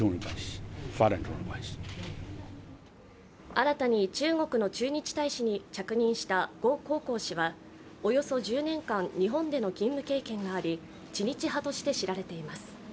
新たに中国の駐日大使に着任した呉江浩氏は、およそ１０年間、日本での勤務経験があり、知日派として知られています。